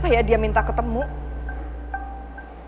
dan itu dia yang minta ketemu aku